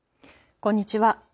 こんにちは。